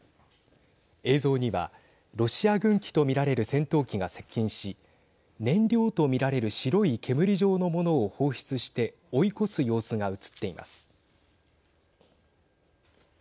映像にはロシア軍機と見られる戦闘機が接近し燃料と見られる白い煙状のものを放出して追い越す様子が映っています。